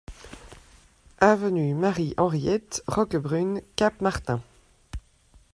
Avenue Marie Henriette, Roquebrune-Cap-Martin